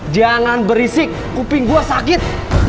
jangan berisik kuping gue sakit